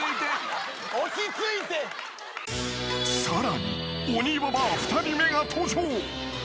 ［さらに鬼ババア２人目が登場］